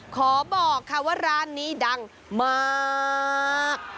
ขอบอกค่ะว่าร้านนี้ดังมาก